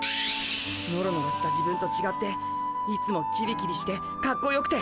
ノロノロした自分とちがっていつもキビキビしてかっこよくて。